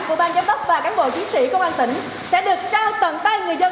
của bang giám đốc và cán bộ chiến sĩ công an tỉnh sẽ được trao tận tay người dân